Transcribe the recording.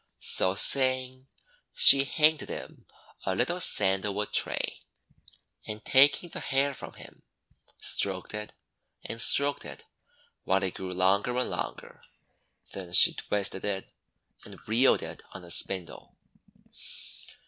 So saying, she handed him a little sandal wood tray, and, taking the hair from him, stroked it, and stroked it, while it grew longer and longer. Then she twisted it, and reeled it on a spindle.